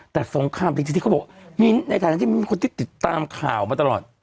แต่สงครามจริงที่เขาบอกมิ้นในฐานะที่มีคนที่ติดตามข่าวมาตลอด